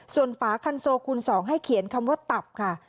ส่วนฝาคันโซคูณ๒ให้เขียนคำว่าตับค่ะ